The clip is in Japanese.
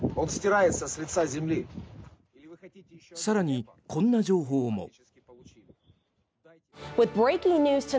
更に、こんな情報も。